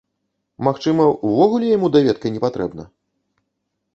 Магчыма, увогуле яму даведка не патрэбна?